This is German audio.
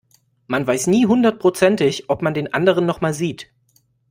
Man weiß nie hundertprozentig, ob man den anderen noch mal sieht.